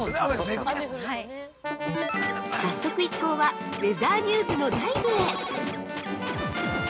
◆早速一行は、ウェザーニューズの内部へ。